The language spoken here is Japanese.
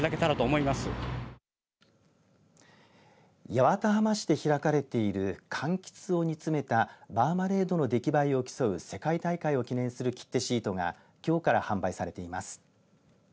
八幡浜市で開かれているかんきつを煮詰めたマーマレードの出来栄えを競う世界大会を記念する切手シートがきょうから販売されています。